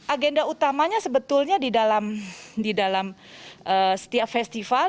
agenda utamanya sebetulnya di dalam setiap festival